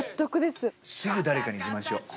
すぐ誰かに自慢しよう。